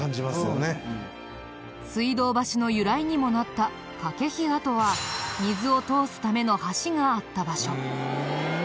水道橋の由来にもなった懸樋跡は水を通すための橋があった場所。